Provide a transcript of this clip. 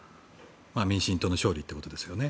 民進党の勝利というところですね。